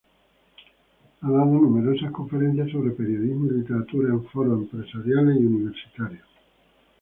Ha dado numerosas conferencias sobre periodismo y literatura en foros empresariales y universitarios.